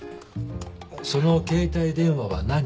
その携帯電話は何？